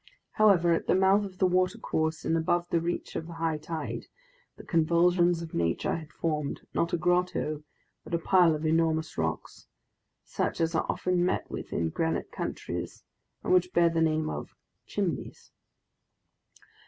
However, at the mouth of the watercourse and above the reach of the high tide, the convulsions of nature had formed, not a grotto, but a pile of enormous rocks, such as are often met with in granite countries and which bear the name of "Chimneys."